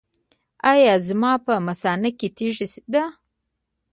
ایا زما په مثانه کې تیږه ده؟